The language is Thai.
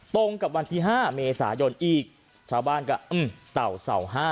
ตรงกับวันที่๕เมษายนอีกชาวบ้านก็เต่าเสา๕